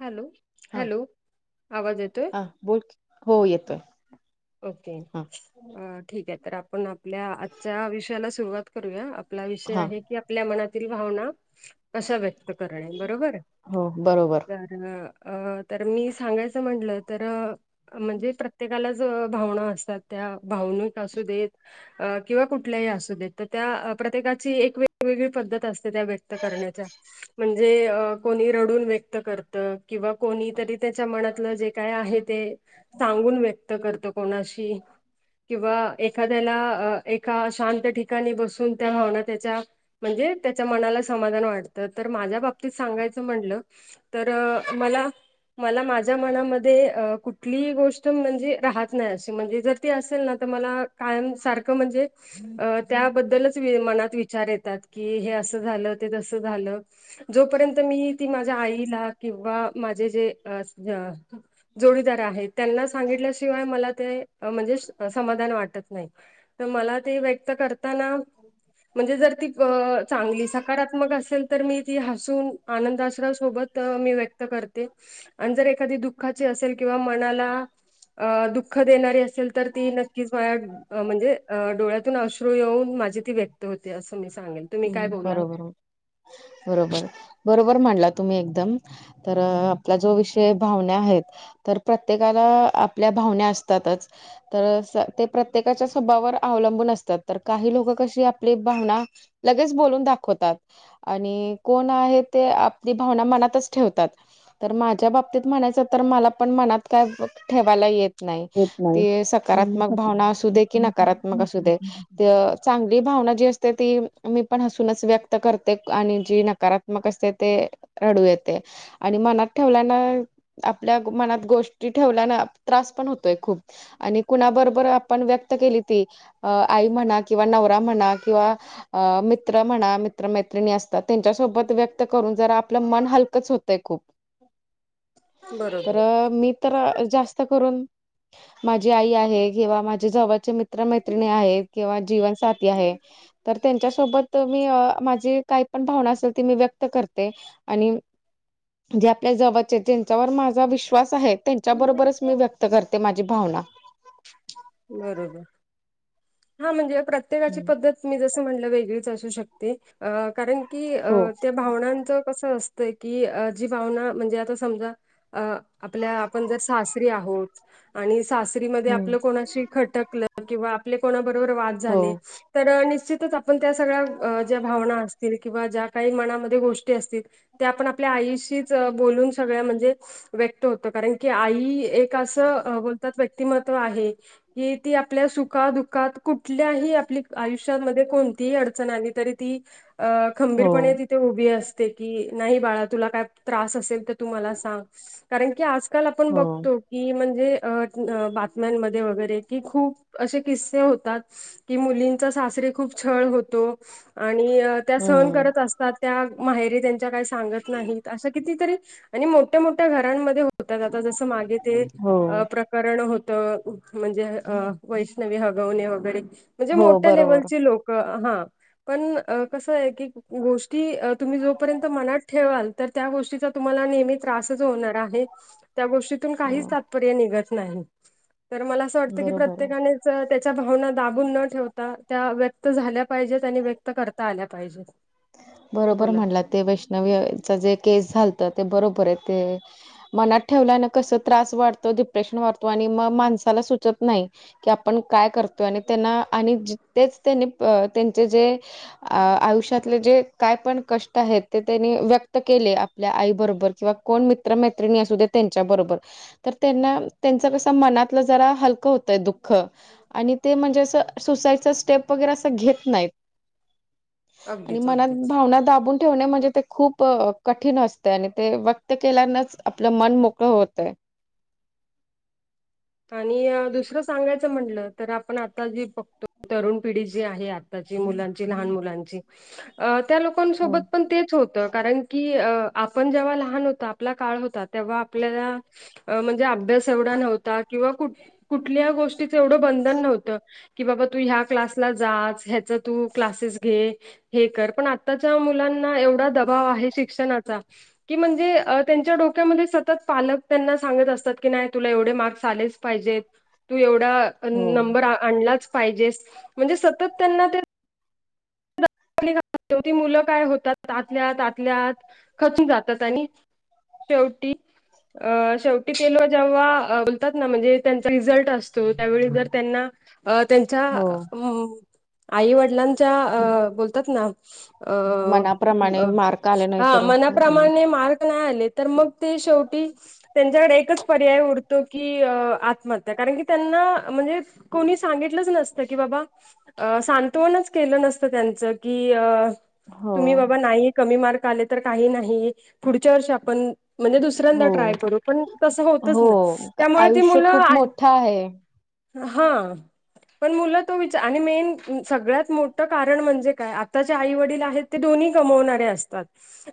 Hello हा hello आवाज येतोय? हा बोल की, हो येतोय. ओके हा अ ठीक आय तर आपण आपल्या आजच्या विषयाला सुरुवात करूया आपला विषय हा आहे की आपल्या मनातील भावना कश्या व्यक्त करणे. बरोबर? हो बरोबर अ तर मी सांगायचं म्हटलं तर म्हणजे प्रत्येकालाच भावना असतात त्या भावनिक असूदेत अ किंवा कुठल्याही असू देत तर त्या प्रत्येकाची एक वेगवेगळी पद्धत असते त्या व्यक्त करण्याच्या. म्हणजे कोणी रडून व्यक्त कर त, किंवा कोणी तरी त्याच्या मनातलं जे काय आहे ते सांगून व्यक्त करत. कोणाशी किंवा एखाद्याला एका शांत ठि काणी बसून त्या भावना त्याच्या म्हणजे त्याच्या मनाला समाधान वाटतं. तर माझ्या बाबतीत सांगायचं म्हंटलं तर मला मला माझ्या मनामध्ये कुठलीही गोष्ट म्हणजे राहत नाय अशी म्हणजे जर त असेल ना तर मला कायम सारखं म्हणजे त्याबद्दलच मनात विचार येतात की हे असं झालं ते तसं झालं. जोपर्यंत मी ती माझ्या आईला किंवा माझे जे जोडीदार आहे त्यांना सांगितल्या शी शिवाय मला ते म्हणजे समाधान वाटत नाही. तर मला ते व्यक्त करताना म्हणजे जर ती अ चांगली सकारात्मक असेल तर मी ती हसून आनंद आशरा सोबत मी व्यक्त करत ते आण जर एखादी दुःखा असेल किंवा मनाला अ दुःख देणारी असेल तर ती नक्कीच माया म्हणजे डोळ्यातून अश्रू येऊन माझी ती व्यक्त होते असं मी सांगेन. बरोबर, बरोबर, बरोबर मांडला तुम्ही एकदम तर आपला जो विषय, भावण्या आहेत. तर प्रत्येकाला आपल्या भावण्या असतातच. तर ते प्रत्येकाच्या स्वभावर अवलंबून असतात, तर काही लोकं कशी आपली भावना लगेच बोलून दाखवतात, आणि कोण आहे ते आपली भावना मनातच ठेवतात. तर माझ्या बाबतीत म्हणायचं तर मला पण मनात काय ठेवायला येत नाही ते सकारात्मक भावना असू दे की नकारात्मक असू दे ते चांगली भावना जी असते ती मी पण हसूनच व्यक्त करते, आणि जी नकारात्मक असते ते रडू येते. आणि मनात ठेवल्यान, आपल्या मनात गोष्टी ठेवल्यान त्रास पण होतोय खूप आणि कुणाबरोबर आपण व्यक्त केली ती अ आई म्हणा किंवा नवरा म्हणा किंवा? अ मित्र म्हणा मित्रमैत्रिणी असतात त्यांच्यासोबत व्यक्त करून जरा आपलं मन हलकंच होतंय खूप. तर बरोबर मी तर जास्त करून माझी आई आहे. किंवा माझे जवळचे मित्रमैत्रिणी आहेत किंवा जीवनसाथी आहे. त्यांच्या सोबत मी माझी काय पण भावना असेल ती मी व्यक्त करते आणि जे आपल्या जवळचे ज्यांच्यावर माझा विश्वास आहे त्यांच्याबरोबरच मी व्यक्त करते माझी भावना. बरोबर, हा म्हणजे प्रत्येकाची हम्म. पद्धत मी जसं म्हणलं वेगळीच असू शकते अ कारण की अ हो त्या भावनांच कसं असतंय की जी भावना म्हणजे आता समजा अ आपल्या आपण जर सासरी आहोत. आणि सासरीमध्ये हम्म आपलं कोणाशी खटकलं किंवा आपले कोणाबरोबर वाद हो झाले. तर निश्चितच आपण त्या सगळ्या ज्या भावना असतील, किंवा ज्या काही मनामध्ये गोष्टी असतील त्या आपण आपल्या आईश च बोलुन न सगळ म्हणजे व्यक्त होत कारण की आई एक अस व्यक्तीत व्यक्तिमत्व आहे त ही ती आपल्या सुखादुखात कुठल्याही आपली आयुष्यामध्ये कोणतीही अडचण आली तरी ती अ हो खंबीरपणे ती ते उभी असते की नाही बाळा तुला काय त्रास असेल तर तू मला सांग कारण की आज काल आपण हो बघतो की म्हणजे अ बातम्यांमध्ये वगैरे की खूप असे किस्से होतात. की मुलींचा सासरी खूप छळ होतो, आणि त्या सहन हम्म करत असतात. पण त्या माहेरी त्यांच्या काय सांगत नाही, अशा कतीतरी आणि मोठ्या मोठ्या घरामध्ये त्यात आता जसं मागे ते हो अ प्रकरण होत म्हणजे वैष्णवी हगवणे वगैरे म्हणजे हो मोठ्या बरोबर लेव्हलची लोक हा पण, अ कसं आहे की? गोष्टी तुम्ही जोपर्यंत मनात ठेवाल, तर त्या गोष्टीचा तुम्हाला नेहमी त्रासच होणार आहे, त्या गोष्टीतून हो काहीच तात्पर्य निघत नाही. तर मला असं वाटतं की बरोबर आहे. प्रत्येकाने, च त्याच्या भावना दाबून न ठेवता त्या व्यक्त झाल्या पाहिजेत आणि व्यक्त करता आल्या पाहिजेत. बरोबर बोला म्हणालात ते वैष्णवीचा जे केस झालत ते बरोबर आहे ते मनात ठेवल्यान कसं त्रास वाढतो, डिप्रेशन वाढतो आणि मग माणसाला सुचत नाही. कि आपण काय करतोय आणि त्यांना आणि जीतेच त्यांनी त्यांचे जे आ आयुष्यात तितले जे काय पण कष्ट आहेत ते त्यांनी व्यक्त केले आपल्या आई बरोबर किंवा कोण मित्रमैत्रिणी असुदेत त्यांच्या बरोबर. तर त्यांना त्यांच कस मनातलं जरा हलकं होतंय दुःख. आणि ते म्हणजे असं सुसाइडचा स्टेप वगैरे असं घेत नाहीत. आणि अगदीच मनात अगदीच भावना दाबून ठेवणे म्हणजे ते खूप कठीण असतय आणि ते व्यक्त केल्यानच आपलं मन मोकळं होतय. आणि दुसरं सांगायचं म्हटलं तर आपण आता जी बघतो तरुण पिढी जी आहे आ आत्ताजी मुलांची, लहान मुलांची आं त्या लो पण हो सोबत पण तेच होत कारण की आपण जेव्हा लहान होत आपला काळ होता. तेंव्हा आपल्याला म्हणजे अभ्यास एवढा नव्हता किंवा कुठ- कुठल्या गोष्टीचं एवढं बंधन नव्हतं. की बाबा तू ह्या क्लासला जाच ह्याच तू क्लासेस घे हे कर पण आ ताच्या मुलांना एवढा दबाव आहे शिक्षणाचा. की म्हणजे अ त्यांच्या डोक्यामध्ये सतत पालक त्यांना सांगत असतात की नाही तुला एवढे मार्क्स- आलेच पाहिजे तू एवढा हो नंबर आ- आणलाच पाहिजेस म्हणजे सतत त्यांना ते [unintelligible] मुलं काय होतात आतल्याआत आतल्याआत खचून जातात आणि शेवटी अ शेवटी तेलो आ जेव्हा बोलतात ना म्हणजे त्यांचा रिझल्ट असतो त्यावेळी जर त्यांना अ त्यांच्या हो अम्म आईवडिलांच्या अ बोलतात ना अ मनाप्रमाणे मार्क आले नाही हा तर हम्म, मनाप्रमाणे मार्क नाही आलेत. तर मग ते शेवटी त्यांच्याकडे एकच पर्याय उरतो की अं आत्महत्या कारण की त्यांना म्हणजे कोणी सांगितलंच नसतं की बाबा, सांत्वनच केलं नसतं त्यांच. कि अ हो तुम्ही बाबा नाही कमी मार्क आले तर काही नाही, पुढच्या वर्षी आपण म्हणजे दूस दुसऱ्यांदा हो ट्राय करू पण तसं होतच हो नाही त्यामुळे ती आयुष्य मुलं खूप आण मोठं आहे हां पण मुलं तो विचा आणि मेन सगळ्यात मोठ कारण म्हणजे आत्ताचे आई वडील आहेत ते दोन्ही कमवणारे असतात.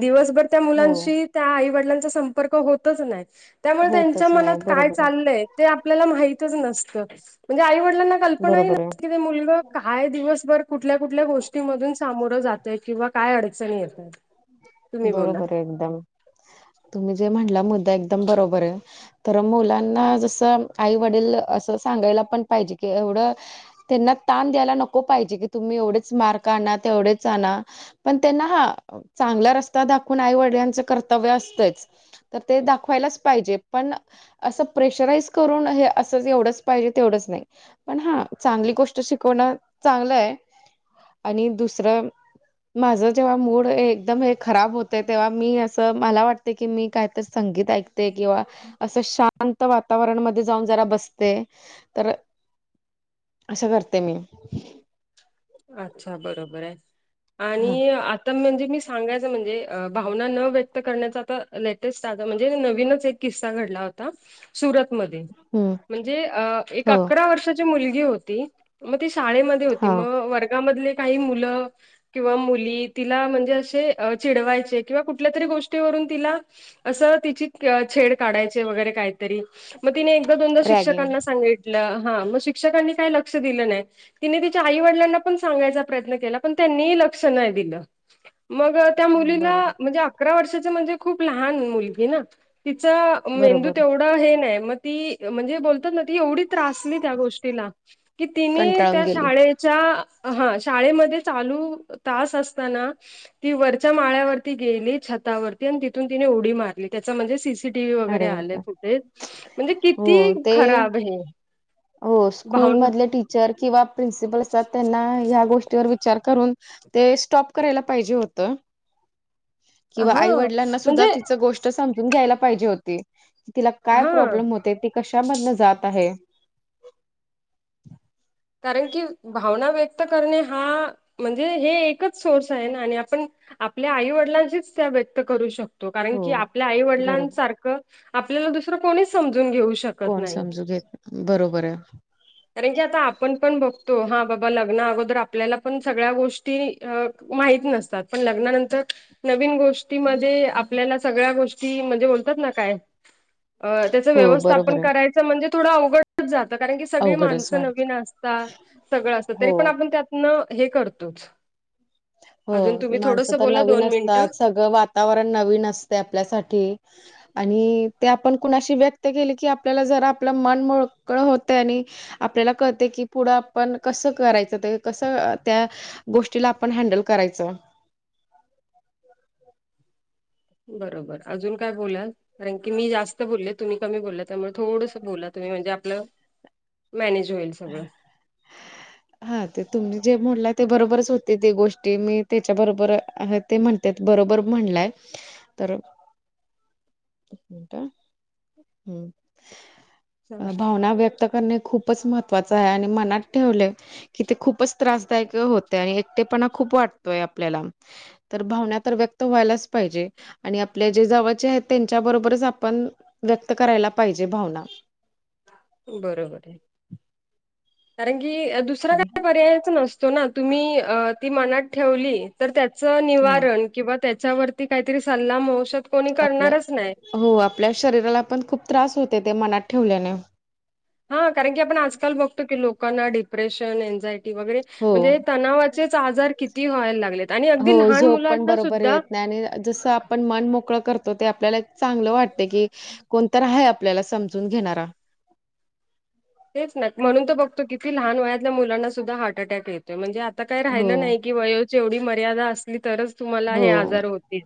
दिव दिवसभर त्या हो मुलांशी त्या आईवडिलांचा संपर्क होतच नाही. त्यामुळे त्यांच्या होतच नाही मनात काय बरोबर चाललंय ते आपल्याला माहितच नसतं म्हणजे आईवडिलांना कल्पनाही बरोबर आहे नसती ते मुलग काय दिवसभर कुठल्या कुठल्या गोष्टीमधून सामोरं जातय किंवा काय अडचणी येतात, तुम्ही बोला. बरोबर आहे एकदम तुम्ही जे म्हणला मुद्दा एकदम बरोबर आहे. तर मुलांना जसं आई वडील असं सांगायला पण पाहिजे कि एवढं त्यांना ताण द्यायला नको पाहिजे की तुम्ही एवढेच मार्क आणा तेवढेच आणा पण त्यांना हा चांगला रस्ता दाखवून आईवडिंलाचं कर्तव्य असतच. तर ते दाखवायलाच पाहिजे पण. असं प्रेशराईज करून हे असं एवढंच पाहिजे तेवढंच नाही. पण हा चांगली गोष्ट शिकवणं चांगलं आहे. आणि दुसरं माझं जेव्हा मूड एकदम हे खराब होते तेव्हा मी असं मला वाटते की मी कायतरी संगीत ऐकते किंवा. असं शांत वातावरण मध्ये जाऊन जरा बसते तर असं करते मी. अच्छा बरोबर आहे हा आणि म्हणजे मी सांगायचं म्हणजे भावना न व्यक्त करण्याचा आ लेटेस्ट आहे म्हणजे नवीनच एक किस्सा घडला होता. सुरत मध्ये हम्म म्हणजे एक हो अकरा वर्षाची मुलगी होती मग तेी शाळेमध्ये होती हा मग वर्गामधले काही मुलं किंवा मुली तिला म्हणजे असे चिडवायचे किंवा कुठल्या तरी गोष्टीवरून तिला असं तिची छेड काढायचे वगैरे काहीतरी मग तिने एकदा दोनदा रॅगिंग शिक्षकांना सांगितलं हा मग शिक्षकांनी काय लक्ष दिलं नाही तिने आई वडलांना पण सांगायचा प्रयत्न केला पण त्यांनीही लक्ष नाही दिलं. मग त्या मुलीला बरोबर म्हणजे अकरा वर्षाच म्हणजे खूप लहान मुलगी ना तिच. मेंदू बरोबर तेवढं हे नाही मग ती म्हणजे बोलतात ना ती एवढी त्रासली त्या गोष्टीला कि तिने कंटाळून त्या गेली. हा शाळेमध्ये चालू तास असताना ती वरच्या माळ्यावरती गेली छतावरती आणि तिथून तिने उडी मारली त्याचा म्हणजे स सी व वगैरे अरे आलेय बापरे! फुटेज म्हणजे हो किती ते खराब हे. हो भावना स्कूलमधले टीचर किंवा प्रिन्सिपल असतात त्यांना ह्या गोष्टीवर विचार करून ते स्टॉप करायला पाहिजे होतं. [unintelligible] किंवा हा आईवडिलांना सुद्धा म्हणजे तिच गोष्ट समून घ्यायला पाहिजे होती तिला काय हा प्रॉब्लेम होते त कशामध जात आहे. कारण की भावना व्यक्त करणे हा म्हणजे हे एकच सोर्स आहे ना आणि आपण आपल्या आईवडिलांचीच त्या व्यक्त करू शकत. कारण हो की आपल्या आई बरोबर. वडिलांसारखं आपल्याला दुसरं कोणीच समजून घेऊ शकत. कोण नाही समजू घेत बरोबर आहे. कारण जे आता. आपण पण बघतो हा बाबा लग्ना अगोदर आपल्याला पण सगळ्या गोष्टी माहीत नसतात. पण लग्नानंतर नवीन गोष्टीमध्ये आपल्याला सगळ्या गोष्टी म्हणजे बोलतात ना काय अ त्याचं हो बरोबर व्यवस्थापन आहे करायचं म्हणजे थोडं अवघडच जातं कारण की सगळी अवघडच माणसं वाटत नवीन असत. पण हो. आप त्या हे करतो. हो माणसं तर नवीन असतात सगळं वातावरण नवीन असते आपल्यासाठी. आणि ते आपण कुणाशी व्यक्त केली की आपल्याला जरा आपलं मन मोकळ होत आणि आपल्याला कळते की पुढं आपण कसं करायचं ते कसं त्या गोष्टीला पण हँनडल करायचं. बरोबर अजून काय बोलाल. कारण की मी जास्त बोलले तुम्ही कमी बोलला त्यामुळे थोडंसं बोला तुम्ही म्हणजे आपलं. मॅनेज होईल सगळं. हा ते तुम्ही जे मोडला ते बरोबरच होते. ते गोष्टी मी त्याच्या बरोबर आहात ते म्हणते. तेच बरोबर म्हणलंय. तर हां, भावना व्यक्त करणे. खूप खूपच महत्त्वाचं आहे आणि मनात ठेवले कि ते खूपच त्रासदायक होते. आणि एकटेपणा खूप वाटतोय आपल्याला तर भावना तर व्यक्त व्हायलाच पाहिजे, आणि आपल्या जे जावळचे आहेत त्यांच्याबरोबरच आपण व्यक्त करायला पाहिजे. भावना. बरोबर आहे. कारण की दुसरा काय पर्यायच नसतं तो ना तुम्ही अ ती मनात ठेवली. तर त्याच हो. निवारण किंवा त्याच्यावरती काहीतरी सल्ला औषध कोणी आपल्या करणारच नाही. हो, आपल्या शरीराला पण खूप त्रास होते. ते मनात ठेवल्याने. हा, कारण की आपण आजकाल बघतो. की लोकांना डिप्रेशन, एन्झायटी वगैरे, हो. म्हणजे तणावाचे आजार किती व्हायला लागलेत. आणि हो अगदी लहान झोप मुलांना बरोबर सुद्धा येत नाही आणि जसं पण आपण मन मोकळं करतो. ते आपल्याला चांगलं वाटते की कोण तर आहे, आपल्याला समजून घेणारा. तेच ना म्हणून तो बघतो किती लहान वयातल्या मुलांना सुद्धा हार्ट अटॅक येतोय म्हणजे, आता काय हो राहिलं नाही. की वयोची एवढी मर्यादा असली तरच तुम्हाला हो. हे, आजार होतील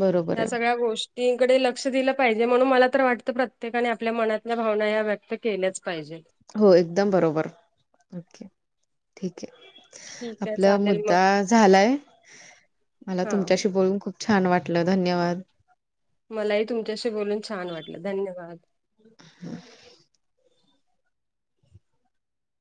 बरोबर ह्या आहे सगळ्या गोष् [unintelligible] लक्ष दिलं पाहिजे. मला तर वाटत प्रत्येकाने या मनातल्या भावना या व्यक्त केल्याच पाहिजे. पाहिजे हो एकदम बरोबर ओके ठीक आहे. ठीक आहे आपला चालेल मग मुद्दा झालाय. मला हां, तुमच्याशी बोलून खूप छान वाटलं धन्यवाद. मलाही तुमच्याशी बोलून छान वाटलं धन्यवाद.